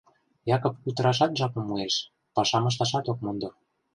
Якып кутырашат жапым муэш, пашам ышташат ок мондо.